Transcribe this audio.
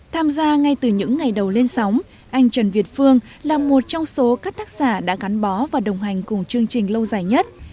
tham gia ngay từ những ngày đầu lên sóng anh trần việt phương là một trong số các tác giả đã gắn bó và đồng hành cùng chương trình lâu dài nhất